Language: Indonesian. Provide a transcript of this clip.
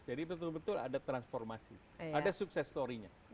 jadi betul betul ada transformasi ada sukses story nya